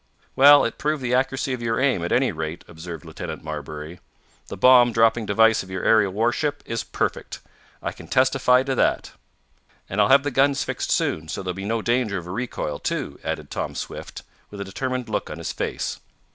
"Well, it proved the accuracy of your aim, at any rate," observed Lieutenant Marbury. "The bomb dropping device of your aerial warship is perfect I can testify to that." "And I'll have the guns fixed soon, so there will be no danger of a recoil, too," added Tom Swift, with a determined look on his face.